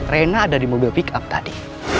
rena ada di mobil pick up tadi